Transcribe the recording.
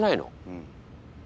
うん。